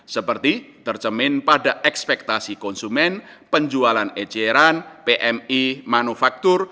seperti tercemin pada ekspektasi konsumen penjualan eceran pmi manufaktur